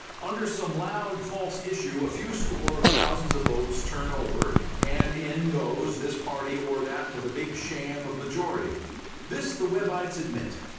Under some loud false issue a few score of thousands of votes turn over, and in goes this party or that with a big sham majority. This the Webbites admit.